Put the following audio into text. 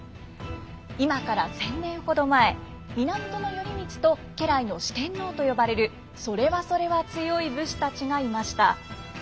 今から１，０００年ほど前源頼光と家来の四天王と呼ばれるそれはそれは強い武士たちがいました。